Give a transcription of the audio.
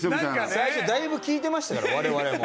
最初だいぶ聞いてましたから我々も。